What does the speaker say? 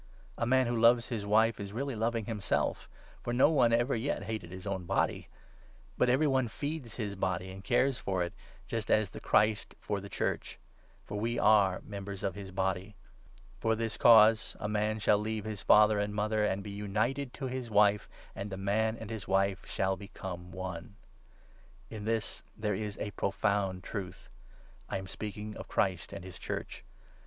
A man who loves his wife is really loving himself; for no one 29 ever yet hated his own body. But every one feeds his body and cares for it, just as the Christ for the Church ; for we are 30 members of his Body. ' For this cause a man shall leave his father and mother, and 31 be united to his wife ; and the man and his wife shall become one.' In this there is a profound truth — I am speaking of Christ 32 and his Church.